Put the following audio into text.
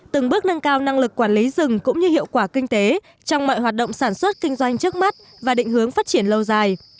từng bước nâng cao năng lực quản lý rừng cũng như hiệu quả kinh tế trong mọi hoạt động sản xuất kinh doanh trước mắt và định hướng phát triển lâu dài